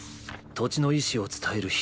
土地の意志を伝える人」。